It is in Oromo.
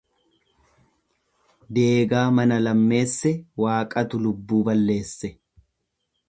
Deegaa mana lammeesse Waaqatu lubbuu balleesse.